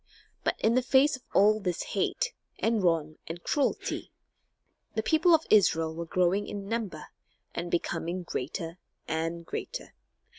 But in the face of all this hate, and wrong, and cruelty, the people of Israel were growing in number, and becoming greater and greater.